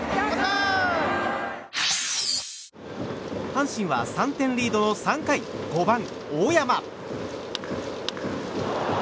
阪神は３点リードの３回５番、大山。